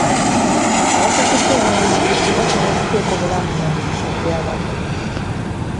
Abakukusa eby'amaguzi batera okuteeka obulamu bwabwe mu katyabaga.